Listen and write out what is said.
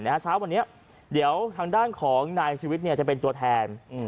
เช้าวันนี้เดี๋ยวทางด้านของนายชีวิตจะเป็นตัวแทน